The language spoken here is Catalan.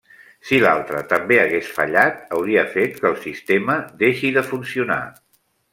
Si l'altre també hagués fallat, hauria fet que el sistema deixi de funcionar.